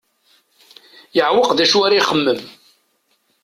Yeɛweq d acu ara ixemmem.